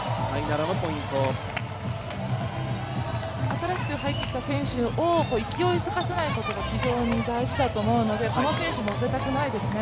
新しく入ってきた選手を勢いづかせないことが非常に大事だと思うので、この選手、のせたくないですね。